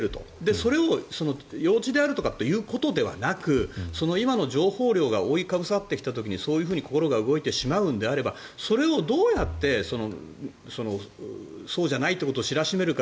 それを幼稚であるということではなく今の情報量が覆いかぶさってきた時にそういうふうに心が動いてしまうのであればそれをどうやってそうじゃないということを知らしめるか。